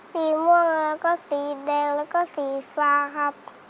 สีม่วงแล้วก็สีแดงแล้วก็สีฟ้าครับ